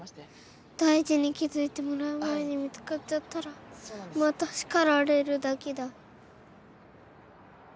「大事」に気づいてもらう前に見つかっちゃったらまた叱られるだけだ。